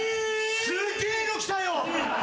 すげえの来たよ！